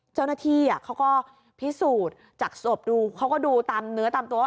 เจ้าหน้าที่เขาก็พิสูจน์จากศพดูเขาก็ดูตามเนื้อตามตัวว่า